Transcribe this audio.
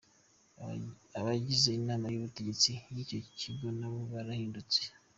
Abagize inama y’ubutegetsi y’icyo Kigo nabo barahindutse.